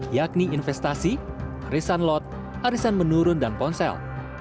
yakni investasi arisan lot arisan menurun dan ponsel